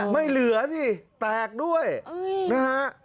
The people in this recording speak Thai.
ไม่เหลือสิแตกด้วยนะฮะ